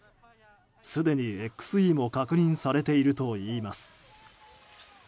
すでにＸＥも確認されているといいます。